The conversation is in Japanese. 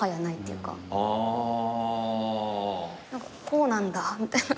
「こうなんだ」みたいな。